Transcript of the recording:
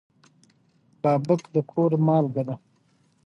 هلته هم د غني کاشمېري او د بېدل محبوبې ته محبوبه ويل شوې.